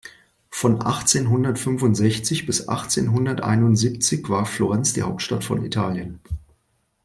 Von achtzehnhundertfünfundsechzig bis achtzehnhunderteinundsiebzig war Florenz die Hauptstadt von Italien.